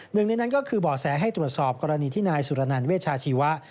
หนึ่งในนั้นก็คือบ่อแสให้ตรวจสอบกรณีที่นายสุรนันเวชาชีวะ